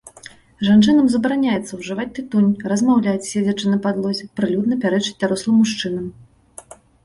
Жанчынам забараняецца ўжываць тытунь, размаўляць, седзячы на падлозе, прылюдна пярэчыць дарослым мужчынам.